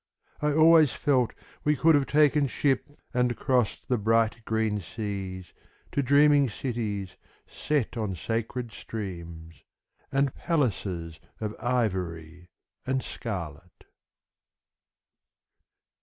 I always felt we could have taken ship And crossed the bright green seas To dreaming cities set on sacred streams And palaces Of ivory and scarlet.